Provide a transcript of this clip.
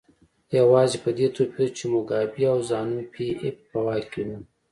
یوازې په دې توپیر چې موګابي او زانو پي ایف په واک کې وو.